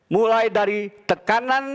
mulai dari tekanan